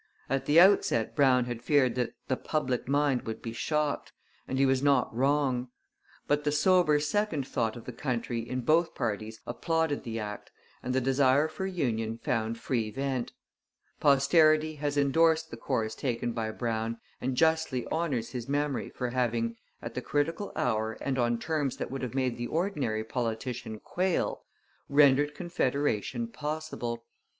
At the outset Brown had feared that 'the public mind would be shocked,' and he was not wrong. But the sober second thought of the country in both parties applauded the act, and the desire for union found free vent. Posterity has endorsed the course taken by Brown and justly honours his memory for having, at the critical hour and on terms that would have made the ordinary politician quail, rendered Confederation possible.